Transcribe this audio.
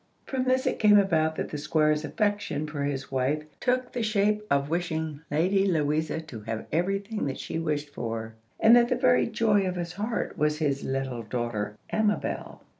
From this it came about that the Squire's affection for his wife took the shape of wishing Lady Louisa to have every thing that she wished for, and that the very joy of his heart was his little daughter Amabel.